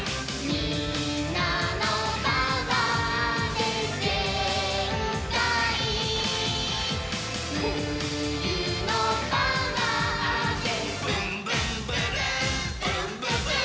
「みんなのパワーでぜんかい」「ふゆのパワーでぶんぶんぶるんぶんぶぶん」